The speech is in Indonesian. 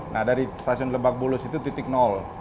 nah dari stasiun lebak bulus itu titik nol